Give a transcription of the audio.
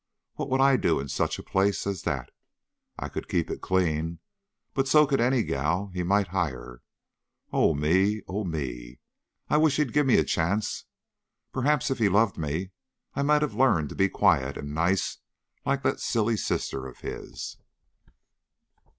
What would I do in such a place as that? I could keep it clean, but so could any gal he might hire. Oh, me! Oh, me! I wish he'd given me a chance. Perhaps if he had loved me I might have learned to be quiet and nice like that silly sister of his."